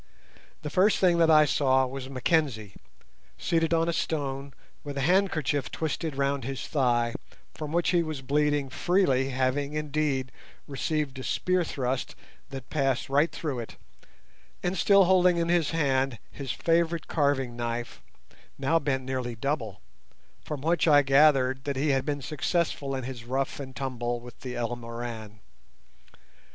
The first thing that I saw was Mackenzie, seated on a stone with a handkerchief twisted round his thigh, from which he was bleeding freely, having, indeed, received a spear thrust that passed right through it, and still holding in his hand his favourite carving knife now bent nearly double, from which I gathered that he had been successful in his rough and tumble with the Elmoran.